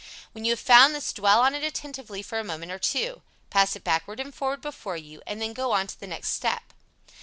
When you have found this dwell on it attentively for a moment or two. Pass it backward and forward before you, and then go on to the next step.